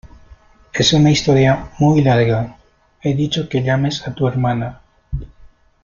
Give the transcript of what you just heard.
es una historia muy larga. he dicho que llames a tu hermana .